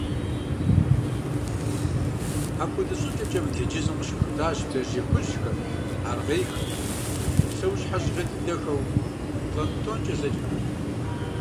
Апхуэдэ щӀыкӀэкӀэ мы тенджызым къыщыхутащ бдзэжьей хужьхэр, аргъейхэр, псэущхьэ жьгъей дыдэхэу «планктонкӀэ» зэджэхэр.